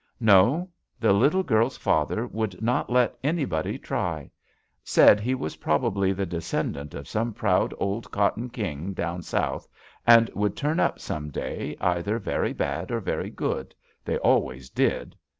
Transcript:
"No. The little girl's father would not let anybody try. Said he was probably the de scendant of some proud old cotton king down South and would turn up some day, either very bad or very good — they always did.